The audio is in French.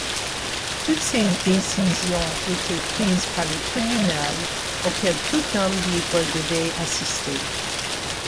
Toutes ces décisions étaient prises par le tribunal auquel tout homme libre devait assister.